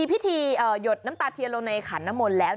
พิธีหยดน้ำตาเทียนลงในขันน้ำมนต์แล้ว